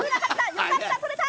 よかった、取れた。